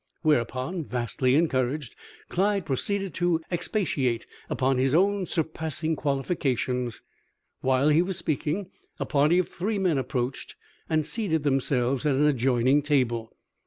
Whereupon, vastly encouraged, Clyde proceeded to expatiate upon his own surpassing qualifications. While he was speaking, a party of three men approached, and seated themselves at an adjoining table.